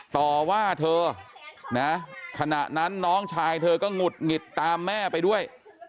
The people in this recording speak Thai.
ต่อว่าเธอนะขณะนั้นน้องชายเธอก็หงุดหงิดตามแม่ไปด้วย